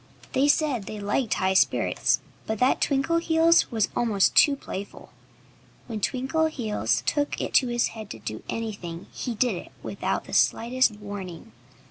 They said they liked high spirits, but that Twinkleheels was almost too playful. When Twinkleheels took it into his head to do anything he did it without the slightest warning.